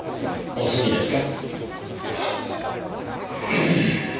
お済みですか？